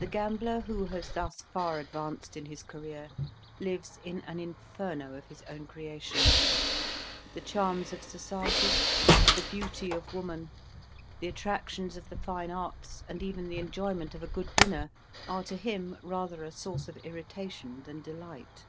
The gambler who has thus far advanced in his career, lives in an inferno of his own creation: the charms of society, the beauty of woman, the attractions of the fine arts, and even the enjoyment of a good dinner, are to him rather a source of irritation than delight.